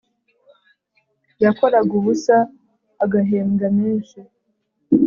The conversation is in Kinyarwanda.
yakoraga ubusa agahebwa menshi